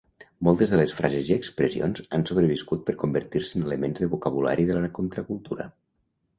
Moltes de les frases i expressions han sobreviscut per convertir-se en elements de vocabulari de la contracultura.